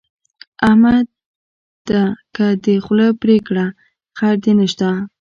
احمد ده که دې خوله پرې کړه؛ خير دې نه شته.